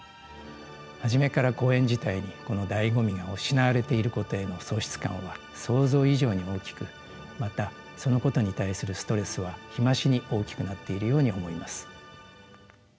初めから公演自体にこの醍醐味が失われていることへの喪失感は想像以上に大きくまたそのことに対するストレスは日増しに大きくなっているように思います。